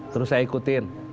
terus saya ikutin